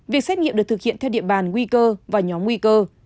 việc xét nghiệm được thực hiện theo địa bàn nguy cơ và nhóm nguy cơ